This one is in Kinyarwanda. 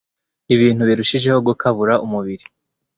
ibintu birushijeho gukabura umubiri